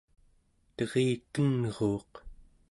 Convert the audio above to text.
terikenruuq